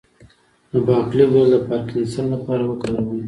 د باقلي ګل د پارکنسن لپاره وکاروئ